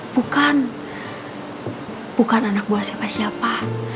bukan bukan anak buah siapa siapa